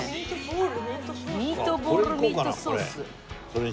ミートボール＆ミートソース。